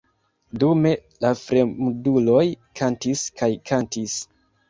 Dume, la fremduloj kantis kaj kantis.